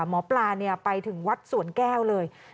หมอปลาไปถึงวัดสวนแก้วเลย